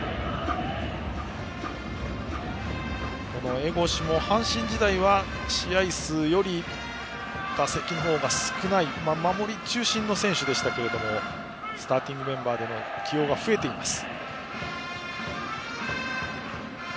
江越も阪神時代は試合数より打席の方が少ない守り中心の選手でしたがスターティングメンバーでの起用が増えています。